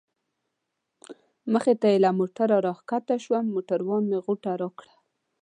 مخې ته یې له موټره را کښته شوم، موټروان مې غوټه راکړه.